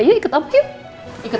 yuk ikut opa yuk